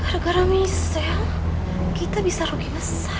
gara gara michelle kita bisa rugi besar